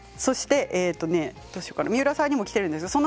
三浦さんにも来ています。